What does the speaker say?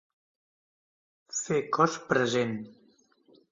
Fer cos present.